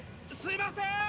すいません。